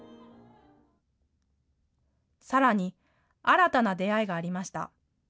さらに、新たな出会いがありました。